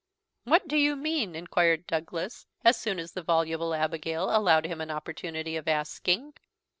"What do you mean?" inquired Douglas, as soon as the voluble Abigail allowed him an opportunity of asking.